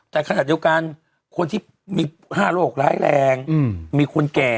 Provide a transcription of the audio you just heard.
แต่ขณะเดียวกันคนที่มี๕โรคร้ายแรงมีคนแก่